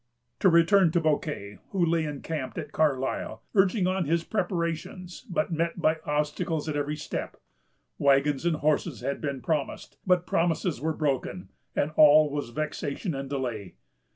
To return to Bouquet, who lay encamped at Carlisle, urging on his preparations, but met by obstacles at every step. Wagons and horses had been promised, but promises were broken, and all was vexation and delay.